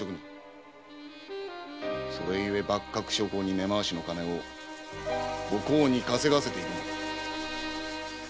それゆえ幕閣諸候への根回しの金をお甲に稼がせているのだ。